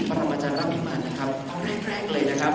กลับมาจะรัมเป็นบ้านนะครับอ๋อแรกแรกเลยนะครับผม